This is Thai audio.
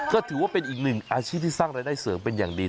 ก็ถือว่าเป็นอีกหนึ่งอาชีพที่สร้างรายได้เสริมเป็นอย่างดี